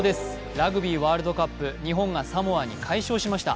ラグビーワールドカップ、日本がサモアに快勝しました。